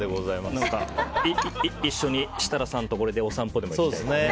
これで一緒に設楽さんとお散歩でも行きたいですね。